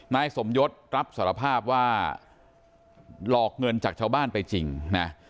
นายสมยศรับสารภาพว่าหลอกเงินจากชาวบ้านไปจริงนะ